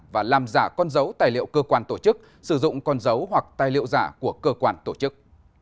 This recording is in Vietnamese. và làm giả con dấu tài liệu cơ quan tổ chức sử dụng con dấu hoặc tài liệu giả của cơ quan tổ chức